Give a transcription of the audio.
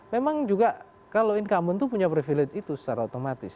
memang juga kalau incumbent itu punya privilege itu secara otomatis